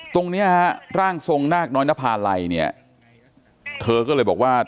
ตรงนี้ฮะร่างทรงนาคน้อยนภาลัยเนี่ยเธอก็เลยบอกว่า